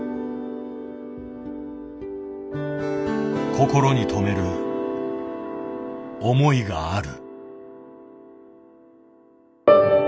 心に留める思いがある。